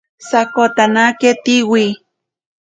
Sokotanake Tsiwi.